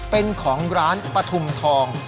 เป็นของร้านปฐุมทอง